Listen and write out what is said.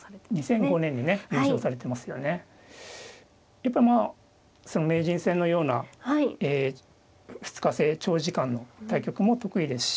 やっぱりまあその名人戦のようなえ２日制長時間の対局も得意ですし。